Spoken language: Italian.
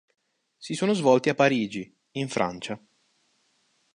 Si sono svolti a Parigi, in Francia.